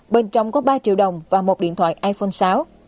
bên trong có ba triệu đồng và một điện thoại iphone sáu